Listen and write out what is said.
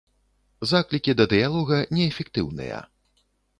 Заклікі да дыялога неэфектыўныя.